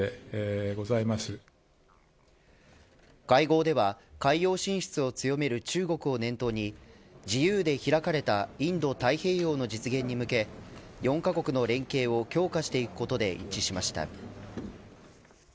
会合では海洋進出を強める中国を念頭に自由で開かれたインド太平洋の実現に向け４カ国の連携を強化していくことで一致しました。